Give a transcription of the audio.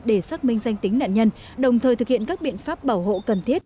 để xác minh danh tính nạn nhân đồng thời thực hiện các biện pháp bảo hộ cần thiết